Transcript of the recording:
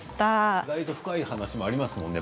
意外と深い話もありますよね。